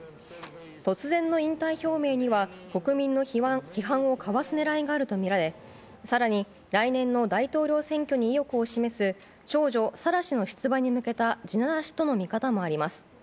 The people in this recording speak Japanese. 突然の引退表明には国民の批判をかわす狙いがあるとみられ更に、来年の大統領選挙に意欲を示す長女サラ氏の出馬に向けた地ならしとの見方もあります。